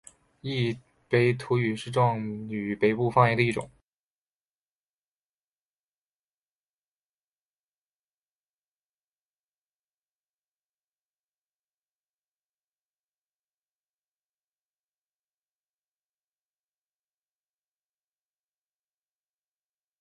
泰拉诺娃出生于义大利托斯卡尼的。